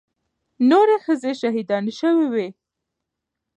نورې ښځې شهيدانې سوې وې.